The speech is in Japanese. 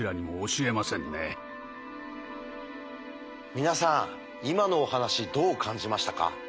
皆さん今のお話どう感じましたか？